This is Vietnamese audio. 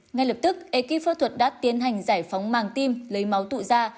ngay lập tức ekip phẫu thuật đã tiến hành giải phóng màng tim lấy máu tụ da